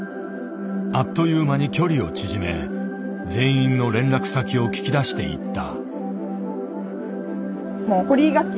あっという間に距離を縮め全員の連絡先を聞き出していった。